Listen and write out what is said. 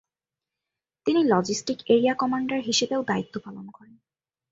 তিনি logistic area commander হিসেবেও দায়িত্ব পালন করেন।